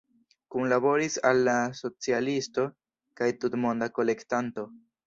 Kunlaboris al „La Socialisto“ kaj „Tutmonda Kolektanto“.